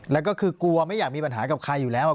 แล้วก็คือกลัวไม่อยากมีปัญหากับใครอยู่แล้ว